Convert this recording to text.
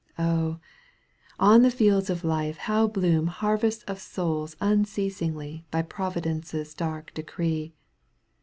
Oh ! on the fields of life how bloom Harvests of souls unceasingly By Providence's dark decree